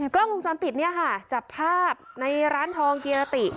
กล้องวงจรปิดเนี่ยค่ะจับภาพในร้านทองกิรติ